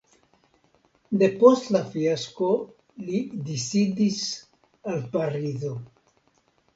Depost la fiasko li disidis al Parizo.